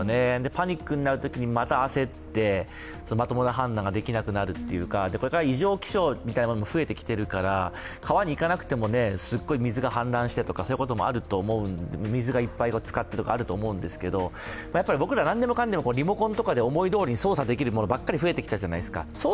パニックになるときにまた焦ってまともな判断ができなくなるというか、異常気象みたいなものも増えてきてるから川に行かなくても水が氾濫してとかそういうこともいっぱいあると思うので、僕ら、何でもかんでも思いどおりに操作できるものばかり増えてきたじゃないですか。